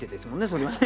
それはね。